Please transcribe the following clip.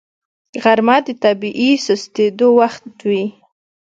غرمه د طبیعي سستېدو وخت وي